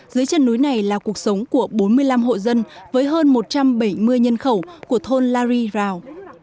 dưới chân núi này là cuộc sống của bốn mươi năm hộ dân với hơn một trăm bảy mươi nhân khẩu của thôn la ri rào